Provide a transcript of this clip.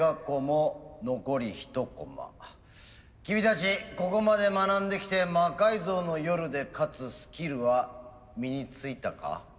君たちここまで学んできて「魔改造の夜」で勝つスキルは身についたか？